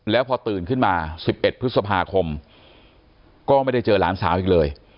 แล้วพอตื่นขึ้นมา๑๑พฤษภาคมก็ไม่ได้เจอหลานสาวอีกเลย